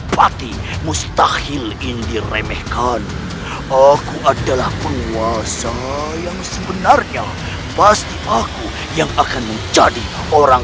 pati mustahil indiremehkan aku adalah penguasa yang sebenarnya pasti aku yang akan menjadi orang